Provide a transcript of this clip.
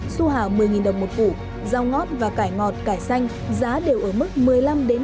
su hảo một mươi đồng một củ rau ngót và cải ngọt cải xanh giá đều ở mức một mươi năm hai mươi đồng